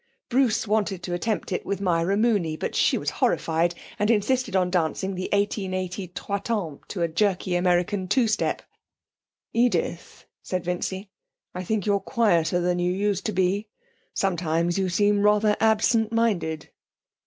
Bruce wanted to attempt it with Myra Mooney, but she was horrified, and insisted on dancing the 1880 trois temps to a jerky American two step. 'Edith,' said Vincy; 'I think you're quieter than you used to be. Sometimes you seem rather absent minded.'